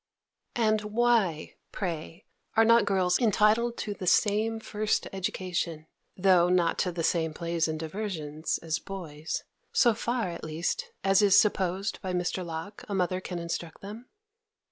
And why, pray, are not girls entitled to the same first education, though not to the same plays and diversions, as boys; so far, at least, as is supposed by Mr. Locke a mother can instruct them?